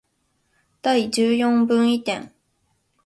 第一四分位点